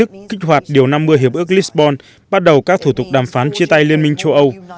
những chính thức kích hoạt điều năm mươi hiệp ước lisbon bắt đầu các thủ tục đàm phán chia tay liên minh châu âu